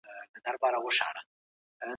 که یو څوک کمپیوټر نه پېژني.